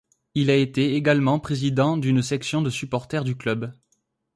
Il a été également président d'une section de supporters du club.